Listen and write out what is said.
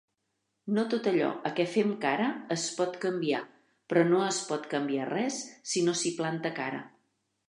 No tot allò a què fem cara es pot canviar, però no es pot canviar res si no s'hi planta cara.